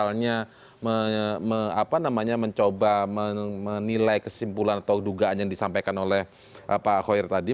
kalau boleh saya misalnya mencoba menilai kesimpulan atau dugaan yang disampaikan oleh pak hoyer tadi